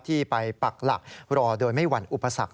ที่ไปปักหลักรอโดยไม่หวั่นอุปสรรค